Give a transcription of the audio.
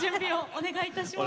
お願いいたします。